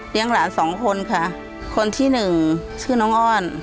หลานสองคนค่ะคนที่หนึ่งชื่อน้องอ้อน